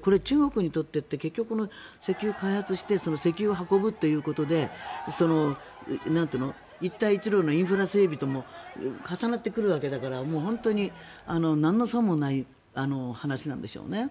これ中国にとってって結局、石油を開発して石油を運ぶということで一帯一路のインフラ整備とも重なってくるわけだから本当に何の損もない話なんでしょうね。